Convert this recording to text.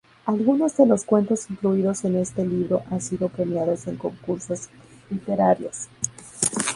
Algunos de los cuentos incluidos en este libro han sido premiados en concursos literarios.